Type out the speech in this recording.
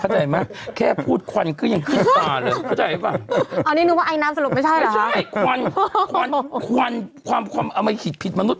ถ้าแค่พูดควัลยังกืงผิดป่าเลย